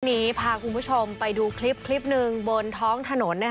วันนี้พาคุณผู้ชมไปดูคลิปหนึ่งบนท้องถนน